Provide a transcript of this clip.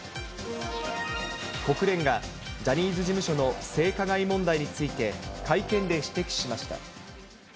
国連がジャニーズ事務所の性加害問題について、会見で指摘しました。